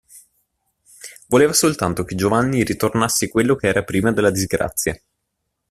Voleva soltanto che Giovanni ritornasse quello che era prima della disgrazia.